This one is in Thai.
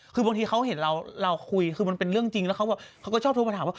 คือบางทีเขาเห็นเราคุยคือมันเป็นเรื่องจริงแล้วเขาก็ชอบโทรมาถามว่า